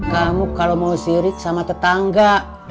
kamu kalau mau sirik sama tetangga